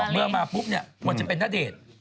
เมื่อมาปุ๊บเนี่ยควรจะเป็นณเดชน์